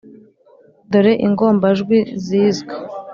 dore ingombajwi zizwe.